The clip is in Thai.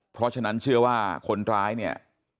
เพราะฉะนั้นเชื่อว่าคนร้ายเนี่ย